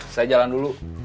saya jalan dulu